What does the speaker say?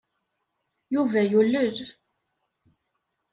Yuba yulel.